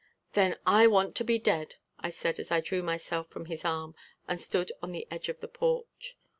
"Then I want to be dead," I said as I drew myself from his arm and stood on the edge of the porch.